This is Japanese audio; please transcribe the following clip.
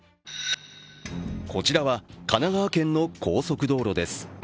こちらは神奈川県の高速道路です。